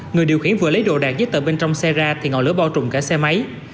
người điều khiển vừa lấy đồ đạc giấy tờ bên trong xe ra thì ngọn lửa bao trùm cả xe máy